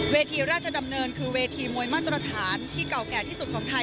เวทีราชดำเนินคือเวทีมวยมาตรฐานที่เก่าแก่ที่สุดของไทย